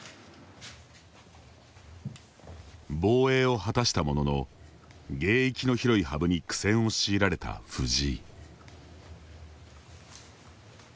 防衛を果たしたものの芸域の広い羽生に苦戦を強いられた藤井。